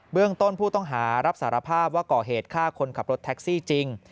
เรื่องต้นผู้ต้องหารับสารภาพว่าก่อเหตุฆ่าคนขับรถแท็กซี่จริง